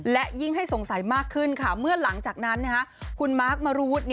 และยิ่งให้สงสัยมากขึ้นค่ะเมื่อหลังจากนั้นคุณมาร์คมรูวุฒิ